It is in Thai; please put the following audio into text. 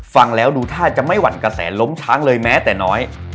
ฟังแล้วดูท่าจะไม่หวั่นกระแสล้มช้างเลยแม้แต่น้อย